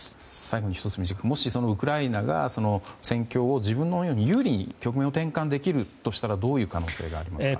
最後に１つもし、ウクライナが戦況を自分の思うように、有利に転換できるとしたらどういう可能性がありますか？